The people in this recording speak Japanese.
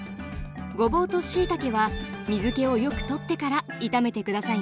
ごぼうとしいたけは水けをよくとってから炒めて下さいね。